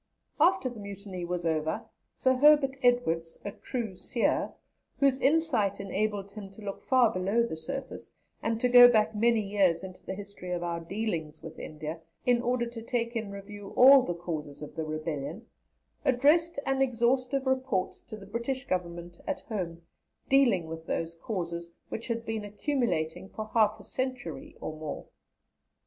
After the mutiny was over, Sir Herbert Edwardes, a true Seer, whose insight enabled him to look far below the surface, and to go back many years into the history of our dealings with India in order to take in review all the causes of the rebellion, addressed an exhaustive report to the British Government at home, dealing with those causes which had been accumulating for half a century or more.